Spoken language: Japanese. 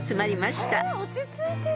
えっ落ち着いてる。